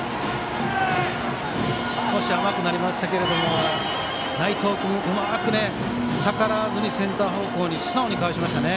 少し甘くなりましたけど内藤君、うまく逆らわずにセンター方向に素直に返しましたね。